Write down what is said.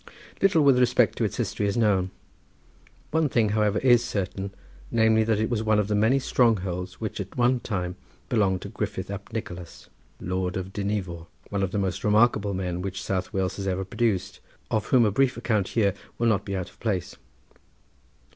Little with respect to its history is known. One thing, however, is certain, namely that it was one of the many strongholds, which at one time belonged to Griffith ap Nicholas, Lord of Dinevor, one of the most remarkable men which South Wales has ever produced, of whom a brief account here will not be out of place.